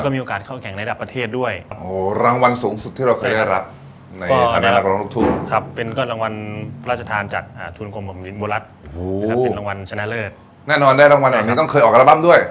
แน่นอนได้รางวัลอันนี้ก็เคยออกอัลบั้มด้วย